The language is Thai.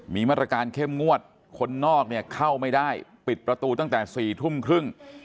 มีมาตรการเข้มงวดคนนอกเนี่ยเข้าไม่ได้ปิดประตูตั้งแต่๔ทุ่มครึ่ง